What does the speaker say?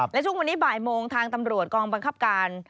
และช่วงวันนี้บ่ายโมงทางตำรวจกองบังคับการ